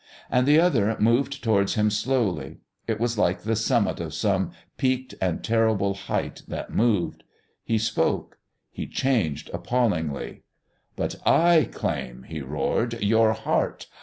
And the Other moved towards him slowly. It was like the summit of some peaked and terrible height that moved. He spoke. He changed appallingly. "But I claim," he roared, "your heart.